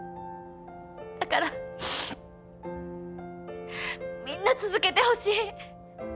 だからみんな続けてほしい。